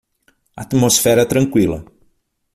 Atmosfera tranquila